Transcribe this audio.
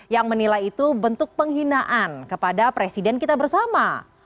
yang menilai itu bentuk penghinaan kepada presiden kita bersama